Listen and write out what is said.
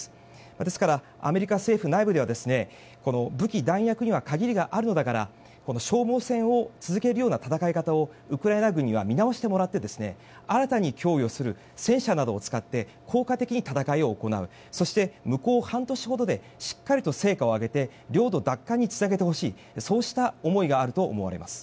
ですからアメリカ政府内部ではこの武器・弾薬には限りがあるのだから消耗戦を続けるような戦い方をウクライナ軍には見直してもらって新たに供与する戦車などを使って効果的に戦いを行うそして、向こう半年ほどでしっかりと成果を上げて領土奪還につなげてほしいそうした思いがあると思われます。